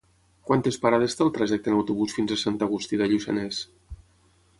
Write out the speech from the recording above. Quantes parades té el trajecte en autobús fins a Sant Agustí de Lluçanès?